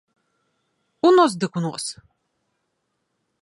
У нос дык у нос!